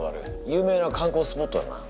有名な観光スポットだな。